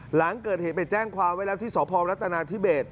หลังเกิดเหตุไปแจ้งความไว้แล้วที่สพรัฐนาธิเบส